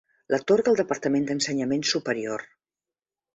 L'atorga el Departament d'Ensenyament Superior.